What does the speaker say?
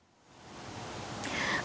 hẹn gặp lại các bạn trong những video tiếp theo